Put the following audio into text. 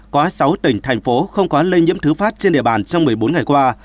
có sáu tỉnh thành phố không có lây nhiễm thứ phát trên địa bàn trong một mươi bốn ngày qua